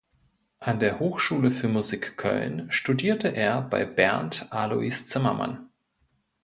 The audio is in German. An der Hochschule für Musik Köln studierte er bei Bernd Alois Zimmermann.